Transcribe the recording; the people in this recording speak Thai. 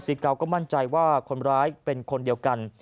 เกาก็มั่นใจว่าคนร้ายเป็นคนเดียวกัน